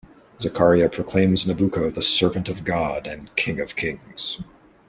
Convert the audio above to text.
Zaccaria proclaims Nabucco the servant of God and king of kings.